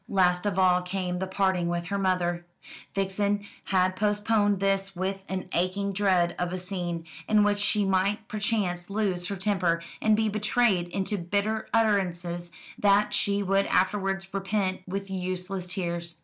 Last of all came the parting with her mother. Vixen had postponed this with an aching dread of a scene, in which she might perchance lose her temper, and be betrayed into bitter utterances that she would afterwards repent with useless tears.